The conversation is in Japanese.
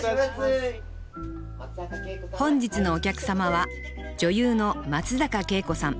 本日のお客様は女優の松坂慶子さん。